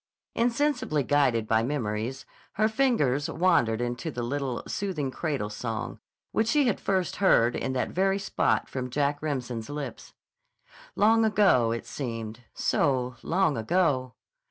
Insensibly guided by memories, her fingers wandered into the little, soothing cradle song which she had first heard in that very spot from Jack Remsen's lips. Long ago, it seemed; so long ago!